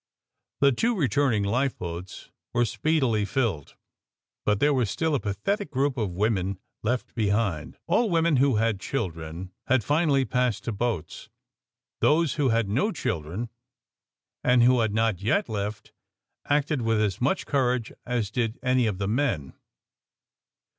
The two returning lifeboats were speedily filled. But there was still a pathetic group of women left behind. All women who had chil dren had finally passed to boats ; those who had no children, and who had not yet left acted with as much courage as did any of the men.